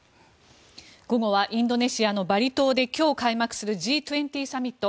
午後はインドネシアのバリ島で今日開幕するＧ２０サミット。